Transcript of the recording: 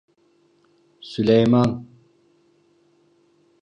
Süleyman.